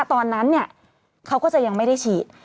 ตอนนั้นเขาก็จะยังไม่ได้ฉีด